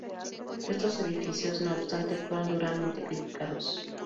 Estos edificios no obstante fueron duramente criticados.